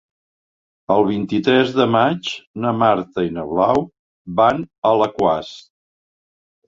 El vint-i-tres de maig na Marta i na Blau van a Alaquàs.